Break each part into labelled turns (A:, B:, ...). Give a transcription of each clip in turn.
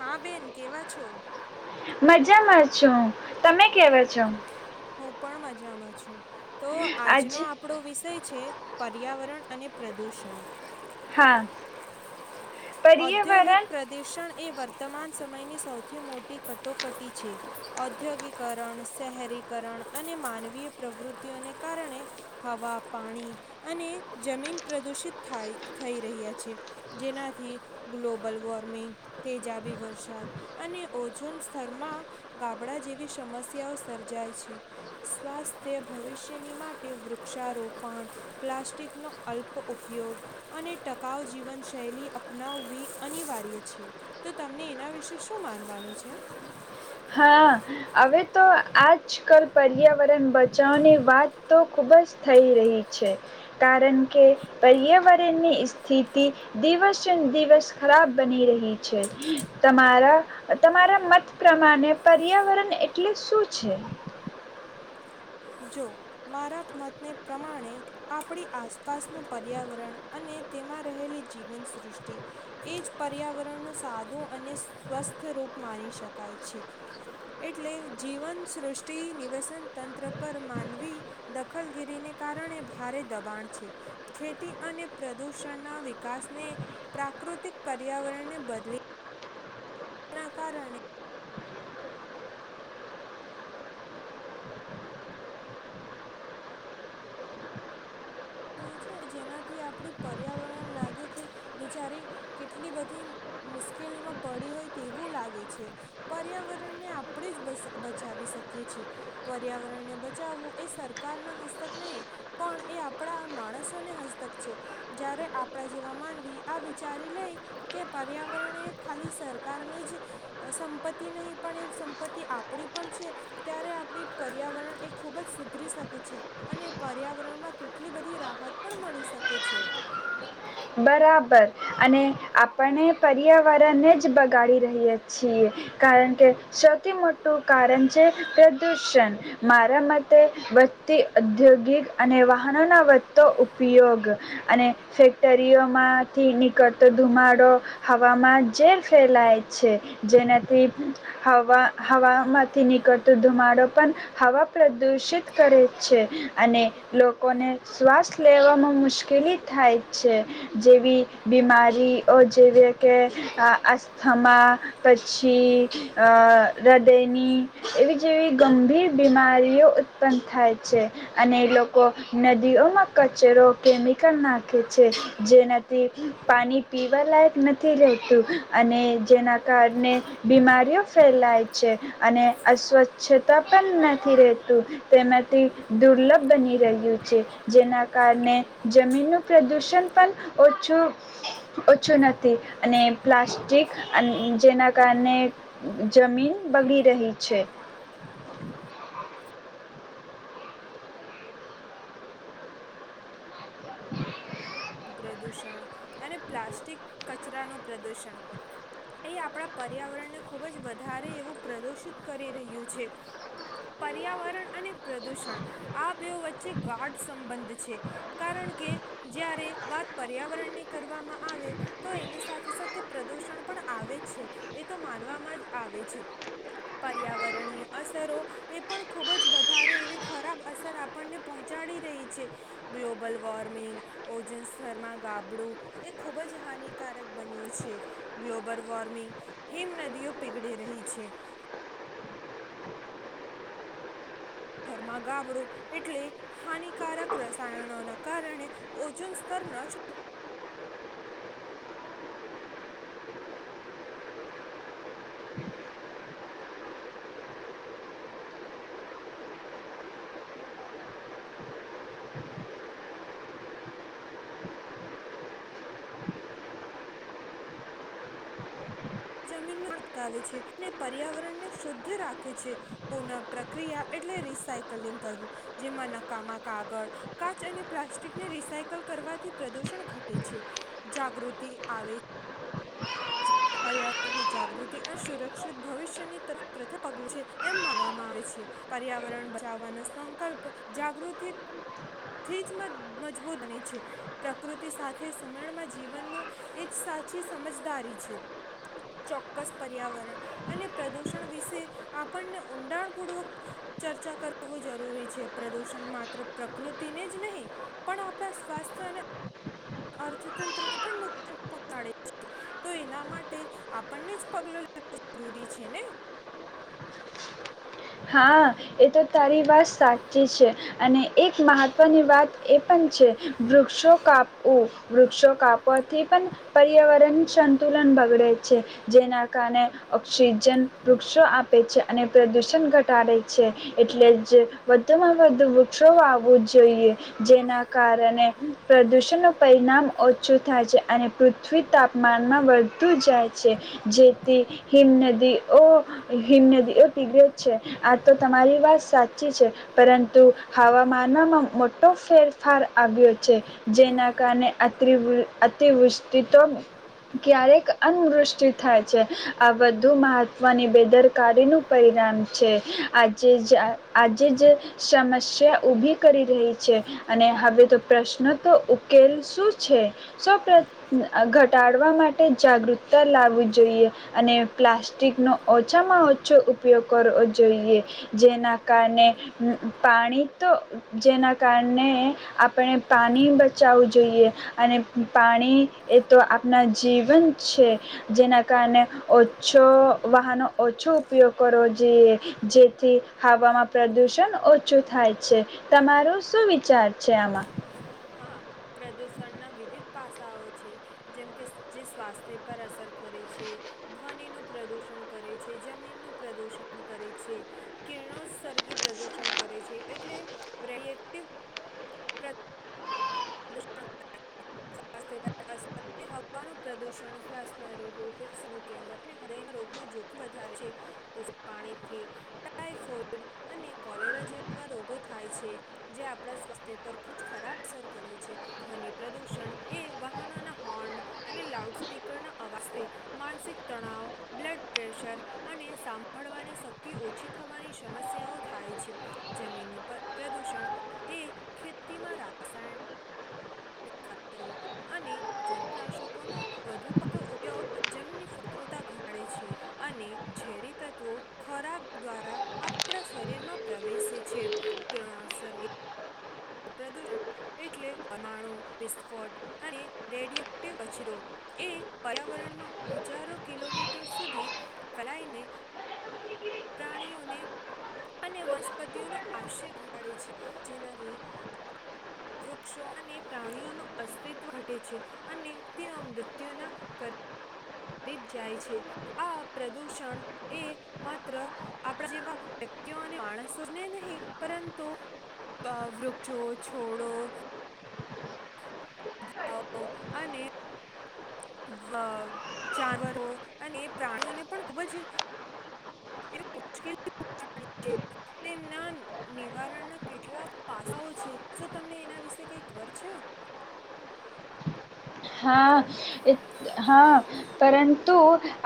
A: હા બેન કેવા છો?
B: મજામાં છો તમે કેવાો છો?
A: હું પણ મજામાં છું. તો
B: આજ
A: આજનો આપણો વિષય છે. પર્યાવરણ અને પ્રદૂષણ
B: હા
A: ઔદ્યોગિક
B: પર્યાવરણ
A: પ્રદુષણ એ વર્તમાન સમયની સૌથી મોટી કટોકટી છે ઔદ્યોગિકરણ શહેરી કરણ અને માનવીય પ્રવૃત્તિઓને કારણે હવા પાણી અને જમીન પ્રદૂષિત થાય થઈ રહ્યા છે જેનાથી ગ્લોબલ વોર્મિંગ તેજાબી વરસાદ અને ઓછોન સ્તરમાં ગાબડા જેવી સમસ્યાઓ સર્જા જાય છે સ્વાસ્થ્ય ભવિષ્યની માટે વૃક્ષારોપણ પ્લાસ્ટિકનો અલ્પ ઉપયોગ અને ટકાઉ જીવન શૈલી અપનાવવી અનિવાર્ય છે તો તમને એના વિશે શું માનવાનું છે.
B: હા હવે તો આજ કલ પર્યાવરણ બચાવની વાત તો ખુબ જ થઈ રહી છે કારણ કે પર્યાવરણની સ્થિતિ દિવસે દિવસ ખરાબ બની રહી છે તમારા તમારા મત પ્ર પ્રમાણે પર્યાવરણ એટલે શું છે.
A: જો મારા મતને પ્રમાણે આપણી આસપાસનું પર્યાવરણ અને તેમાં રહેલી જીવન સૃષ્ટિ એજ પર્યાવરણ ન સાદું અને સ્વસ્થ રૂપ માની શકાય છે એટલે જીવન સૃષ્ટિ નિવસન તંત્ર પર માનવી દખલગીરીને કારણે ભારે દબાણ છે ખેતી અને પ્રદુષણના વિકાસને પ્રાકૃતિક પર્યાવરણને બદલી એના કારણે જેનાથી આપડી પર્યાવરણ લાગે કે બિચારી કેટલી બધી મુશ્કેલીમાં પડી હોય તેવું લાગે છે પર્યાવરણને આપણે જ બચાવી શકીએ છે પર્યાવરણને બચાવવું એ સરકાર ના હસ્તક નહી પણ એ આપ આપણા માણસોને હસ્તક છે જ્યારે આપણા જેવા માનવી આ વિચારી લે કે પર્યાવરણ એ ખાલી સરકારની જ સંપત્તિ નહીં પણ એ સંપત્તિ આપણી પણ છે ત્યારે આપણી પર્યાવરણ એ ખૂબ જ સુધરી શકે છે અને પર્યાવરણમાં કેટ આટલી બધી રાહત પણ મળી શકે છે.
B: બરાબર અને આપણે પર્યાવરણને જ બગાડી રહીએ છીએ કારણ કે સૌથી મોટું કારણ છે પ્રદૂષણ મારા મતે વધતી ઔદ્યોગિક અને વાહનોના વધતો ઉપયોગ અને ફેક્ટરી દરયોમાંથી નીકળતો ધુમાડો હવામાં ઝેર ફેલાય છે જેનાથી હવા હવામાં થી નીકળતો ધુમાડો પણ હવા પ્રદૂષિત કરે છે અને લોકોને શ્વાસ લેવામાં મુશ્કેલી થાય છે. જેવી બીમારીઓ જેવી કે અસ્થમા પછી હૃદયની એવી જેવી ગંભીર બીમારીઓ ઉત્પન્ન થાય છે અને લોકો નદીઓમાં કચરો કેમિકલ નાખે છે. જેનાથી પાણી પીવા લાયક નથી રહેતું અને જેના કારણે બીમારીઓ ફેલાય છે અને અસ્વચ્છતા પણ નથી રહેતું તેમાંથી દુર્લભ બની રહ્યું છે જેના કારણે જમીનનું પ્રદૂષણ પણ ઓછુ ઓછું નથી અને પ્લાસ્ટિક અ જેના કારણે જમીન બગડી રહી છે. [inaudible]
A: પ્રદુષણ અને પ્લાસ્ટિક કચરાનું પ્રદુષણ એ આપણા પર્યાવરણને ખુબ જ વધારે એવું પ્રદુષિત કરી રહ્યું છે પર્યાવરણ અને પ્રદુષણ આ બે વચ્ચે ગાઢ સંબંધ છે કારણ કે જ્યારે વાત પર્યાવરણની કરવામાં આવે તો એની સાથે સાથે પ્રદુષણ પણ આવે છે એ તો માનવામાં જ આવે છે પર્યાવરણીય અસરો એ પણ ખૂબ જ વધારે એવી ખરાબ અસર આપણને પહોંચાડી રહી છે ગ્લોબલ વોર્મિંગ જનસ્તરમાં ગાબડું એ ખૂબ જ હાનિકારક બન્યું છે ગ્લોબલ વોર્મિંગ હિમ નદીઓ પીગડી રહી છે. ઘરમાં ગાબડું એટલે હાનિકારક રસાયણોના કારણે ઓજોન સ્તર ન શ જમીનને અટકાવે છે અને પર્યાવરણને શુદ્ધ રાખે છે પુનઃ પ્રક્રિયા એટલે રિસાયકલિંગ કરવું જેમાં નકામા કાગળ કાચ અને પ્લાસ્ટિકને રિસાયકલ કરવાથી પ્રદૂષણ ઘટે છે જાગૃતિ આવે છે પર્યાવરણની જાગૃતિ અને સુરક્ષિત ભવિષ્યનીર પ્રથમ પગલું છે એમ માનવામાં આવે છે પર્યાવરણ બચાવવાનો સંકલ્પ જાગૃતિથી જ મજબૂત બને છે પ્રકૃતિ સાથે સુમેળમાં જીવનનું એ સાચી સમજદારી છે. ચોક્કસ પર્યાવરણ અને પ્રદુષણ વિશે આપણને ઊંડાણ પૂર્વક ચર્ચા કરવું જરૂરી છે પ્રદુષણ માત્ર પ્રકૃતિને જ નહીં પણ આપણા સ્વાસ્થ્ય અને અર્થતંત્રને પણ નુકસાન પહોંચાડે છે તો એના માટે આપણને જ પગલો લેવો જરૂરી છે ને
B: હા એ તો તારી વાત સાચી છે અને એક મહત્ત્વની વાત એ પણ છે વૃક્ષો કાપ વૃક્ષો કાપવાથી પણ પર્યાવરણ સંતુલન બગડે છે જેના કારણે ઓક્સિજન વૃક્ષો આપે છે અને પ્રદુષણ ઘટ ટાડે છે એટલે જ વધુમાં વધુ વૃક્ષો આવવું જોઈએ જેના કારણે પ્રદુષણનું પરિણામ ઓછું થાય છે અને પૃથ્વી તાપમાનમાં વધતું જાય છે જેથી હિમનદીઓ હિમનદીઓ પીગેણ છે. આ તો તમારી વાત સાચી છે પરંતુ હવામાનમાં મોટો ફેરફાર આવ્યો છે જેના કારણે અતિવૃ અતિવૃષ્ટિ તો ક્યારેક અવૃષ્ટિ થાય છે આ વધુ મહત્વની બેદરકારીનું પરિણામ છે. આજે જ આજે જ સમસ્યા ઉભી કરી રહી છે અને હવે તો પ્રશ્નો તો ઉકેલ શું છે સૌ પ્ર અ ધ ટાળવા માટે જાગૃતતા લાવવી જોઈએ અને પ્લાસ્ટિકનો ઓછામાં જોઈએ જેના કારણે પાણી તો [inaudible] જેના કારણે આપણે પાણી બચાવું જોઈએ અને પાણી એ તો આપણા જીવન છે જેના કારણે ઓછો વાહનો ઓછો ઉપયોગ કરવો જેથી હવામાં પ્રદુષણ ઓછું થાય છે તમારું શું વિચાર છે આમાં
A: સ્ળના વિવિધ પાસાઓ છે જેમકે જે સ્વાસ્થ્ય પર અસર કરે છે ધ્વનિ નુ પ્રદૂષણ કરે છે જમીનનું પ્રદૂષણ કરે છે કિરણોત્સર્ગી પ્રદુષણ કરે છે એટલે રિએક્ટિવ વાનું પ્રુણ રગ જોખમ વધ છેિત પાણીથી ટાઈફોડ અને કોલેરા જેવા રોગો થાય છે જે આપણા સ્વાસ્થ્ય પર ખુ ખરાબ અસર કરે છે ધવ પ્રદુષણ એ વાહનોના હોર્ન અને લાઉડ સ્પીકર ના અવાજથી માનસિક તણાવ બ્લડ પ્રેશર અને સાંભળવાની શક્તિ ઓછી થવાની સમસ્યાઓ થાય છે જમીનનું પ્રદૂષણ એ ખેતીમાં રાસાયણ ખાતરો અને જંતુનાશક ઓનો વધુ પડતો ઉપયોગ જમીનીદુતા ઘટાડે છે અને ઝેરી તત્વો ખોરાક દ્વારા આપણા શરીરમાં પ્રવેશે છેરગ પ્રદૂષણ એટલે પરમાણુ વિસ્ફોટ અને રેડિએક્ટિવ કછરો એ પર્યાવરણમાં હજારો કિલોમીટર સુધી ફેલાઈને પ્રાણીઓને અને વનસ્પતિઓ ન આયુષ્ય ઘટાડે છે જેનાથી વૃક્ષો અને પ્રાણીઓનું અસ્તિત્વ ઘટે છે અને તેઓ મૃત્યુના કર દીપ જાય છે આ પ્રદુષણ એ માત્ર આપણા જેવા વ્યક્તિઓ અને માણસોને નહીં પરંતુ વૃક્ષો છોડો અને અ જાનવરો અને પ્રાણીઓને પણ ખુબ જવી મુશ્કેલી તેમના નિવારણના કેટલા પાસાઓ છે શું તમને એના વિશે કઈ ખબર છે [inaudible]
B: હા હા પરંતુ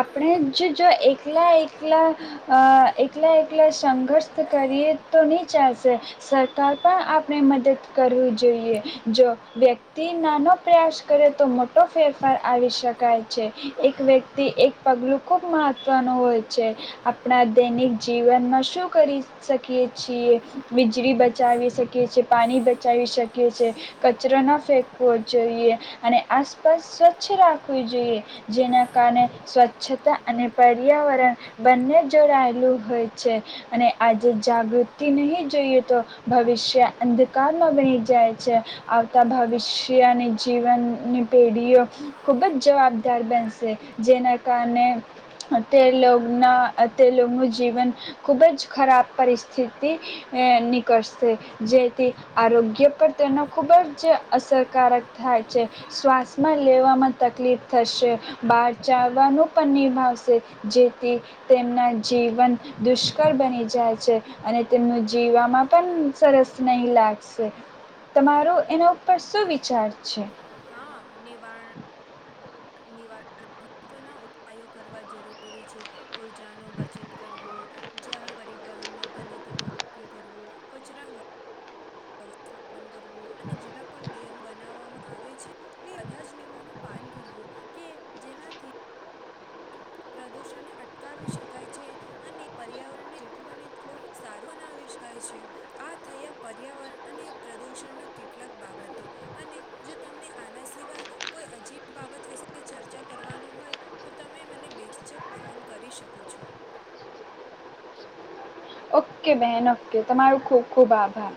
B: આપણે જ જો એકલા એકલા એકલા એકલા સંઘર્ષ કરીએ તો નહીં ચાલશે સરકાર પણ આપણે મદદ કરવી જોઈએ જો વ્યક્તિ નાનો પ્રયાસ કરે તો મોટો ફેરફાર આવી શકાય છે એક વ્યક્તિ એક પગલું ખુબ મહત્વનું હોય છે આપણા દૈનિક જીવનમાં શું કરી શકીએ છીએ વીજળી બચાવી શકીએ પાણી બચાવી શકીએ છે એ કચરો ના ફેકવો જોઈએ અને આસપાસ સ્વચ્છ રાખવી જોઈએ જેના કારણે સ્વચ્છતા અને પર્યાવરણ બંને જોડાયેલું હોય છે અને આજે જાગૃતિ નહીં જોઈએ તો ભવિષ્ય ષ અંધકારમાં બની જાય છે આવતાં ભવિષ્યની જીવન ની પેઢીઓ ખૂબ જ જવાબદાર બનશે જેના કારણે તેના [unintelligible] જીવન ખૂબ જ ખરાબ પરિસ્થિતિ નીકળશે જેથી આરોગ્ય પર તેનો ખુબ જ અસરકારક થાય શ્વાસમાં લેવામાં તકલીફ થશે બહાર ચાલવાનું પણ નિભાવશે જેથી તેમના જીવન દુષ્કળ બની જાય છે અને તેમનું જીવવામાં પણ સરસ નહી લાગશે તમારો એના ઉપર શું વિચાર છે
A: હા નિવારણ નિવારણ મહત્વના ઉપાયો કરવા જરૂરી છે ઉઊર્જાનો બચત કરવો જાહેર પરિવહનનો બને તેલોો ઉપયોગ કરવો કચરો [inaudible] વ્યવસ્થાપન કરવું અને જેટ પણ નિયમ બનાવવામાં આવે છે એ બધા જ નિયમોનું પાલન કરવું કે જેનાથી [inaudible] પ્રદુષણને અટકાવી શકાય છે અને પર્યાવરણને જેટલું બને તેટલું સારું બનાવી શકાય છે આ થયા પર્યાવરણ અને પ્રદુષણ ના કેટલાક બાબતો અને જો તમને આના સિવાય કોઈ અજીબ બાબત વિશે ચર્ચા કરવાનું હોય તો તમે મને બે જીજ ક ફોન કરી શકો છો
B: ઓકે બહેન ઓકે તમારું ખૂબ ખૂબ આભાર